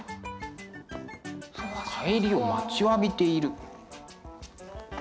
帰りを待ちわびている。